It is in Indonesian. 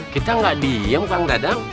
kita nggak diam kang dadang